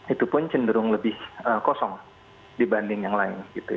itu pun cenderung lebih kosong dibanding yang lain